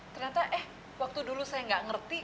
ternyata eh waktu dulu saya tidak mengerti